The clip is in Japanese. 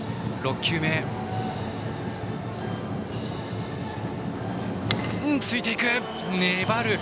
６球目もついていく。